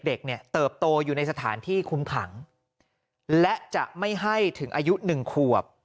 เด็กเนี่ยเติบโตอยู่ในสถานที่คุมขังและจะไม่ให้ถึงอายุหนึ่งขวบ